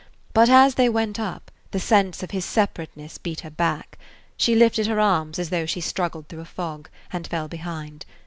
But as they went up, the sense of his separateness beat her back; she lifted her arms as though she struggled through a fog, and fell behind.